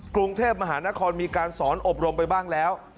กรุงเทพมหานครมีการสอนอบรมไปบ้างแล้ว